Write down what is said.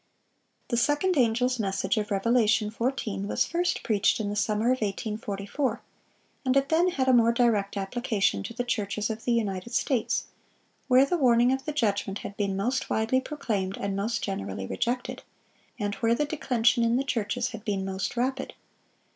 The second angel's message of Revelation 14 was first preached in the summer of 1844, and it then had a more direct application to the churches of the United States, where the warning of the judgment had been most widely proclaimed and most generally rejected, and where the declension in the churches had been most rapid.